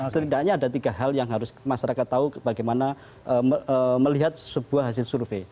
setidaknya ada tiga hal yang harus masyarakat tahu bagaimana melihat sebuah hasil survei